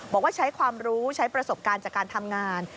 บอกว่าใช้ความรู้ใช้ประสบการณ์จากการทำงาน